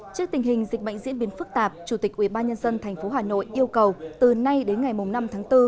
trước tình hình dịch bệnh diễn biến phức tạp chủ tịch ubnd tp hà nội yêu cầu từ nay đến ngày năm tháng bốn